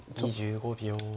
２５秒。